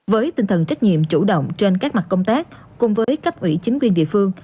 với tinh thần trách nhiệm chủ động trên các mặt công tác cùng với cấp ủy chính quyền địa phương